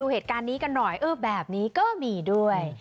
เหตุการณ์นี้กันหน่อยเออแบบนี้ก็มีด้วย